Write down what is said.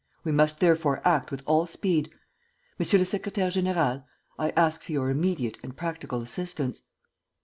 We must therefore act with all speed. Monsieur le secrétaire; général, I ask for your immediate and practical assistance."